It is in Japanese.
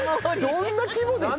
どんな規模ですか？